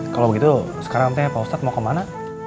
kalau begitu sekarang tanya pak ustadz mau kemana